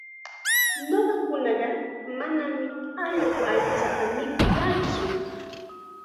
Ñuqakunaqa manam allqu aychata mikuyaatsu.